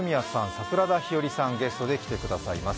桜田ひよりさんがゲストで来てくださいます。